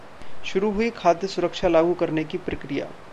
शुरू हुई खाद्य सुरक्षा लागू करने की प्रक्रिया